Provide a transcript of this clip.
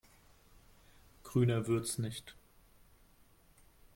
Grüner wird's nicht.